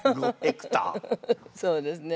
そうですね。